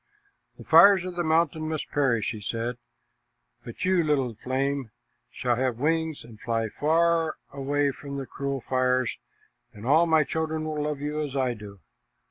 "The fires of the mountain must perish," he said, "but you little, gentle flame, shall have wings and fly far away from the cruel fires, and all my children will love you as I do."